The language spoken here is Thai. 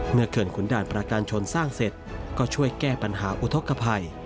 เขื่อนขุนด่านประการชนสร้างเสร็จก็ช่วยแก้ปัญหาอุทธกภัย